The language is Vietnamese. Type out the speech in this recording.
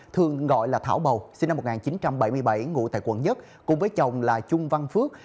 thường gọi là thảo bầu sinh năm một nghìn chín trăm bảy mươi bảy ngụ tại quận một cùng với chồng là trung văn phước